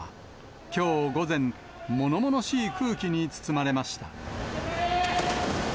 きょう午前、ものものしい空気に包まれました。